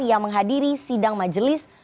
yang menghadiri sidang majelis